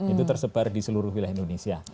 itu tersebar di seluruh wilayah indonesia